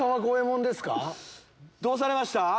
どうされました？